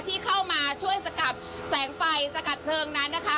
ที่เข้ามาช่วยสกัดแสงไฟสกัดเพลิงนั้นนะคะ